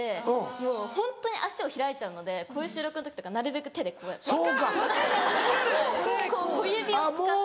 もうホントに足を開いちゃうのでこういう収録の時とかなるべく手でこうやってこう小指を使って。